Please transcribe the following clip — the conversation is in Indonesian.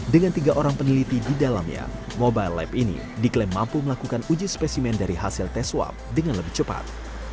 dengan tiga orang peneliti di dalamnya mobile lab ini diklaim mampu melakukan uji spesimen dari hasil tes swab dengan lebih cepat